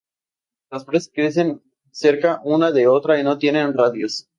Las flores crecen cerca una de otra y no tienen radios.